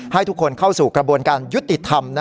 ให้ทุกคนเข้าสู่กระบวนการยุติธรรม